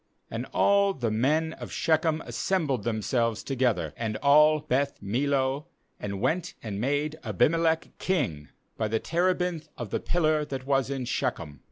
6And all the men of Shechem as sembled themselves together, and all Beth millo, and went and made Abim elech king, by the terebinth of the pillar that 'was in Shechem.